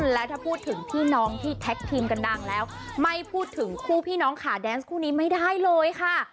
และถ้าพูดถึงพี่น้องที่แท็กทีมกันดังแล้วไม่พูดถึงคู่พี่น้องขาแดนส์คู่นี้ไม่ได้เลยค่ะ